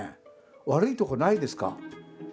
悪いとこないですか？